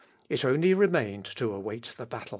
It only remained to await the battle.